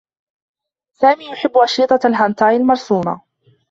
سامي يحبّ أشرطة الهنتاي المرسومة.